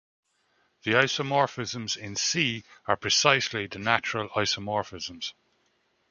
The isomorphisms in "C" are precisely the natural isomorphisms.